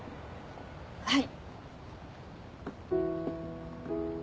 はい。